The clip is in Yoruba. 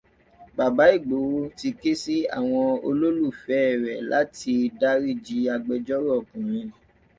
Bàbá Ìgbòho ti ké sí àwọn olólùfẹ́ rẹ̀ láti dáríji agbẹjọ́rò ọkùnrin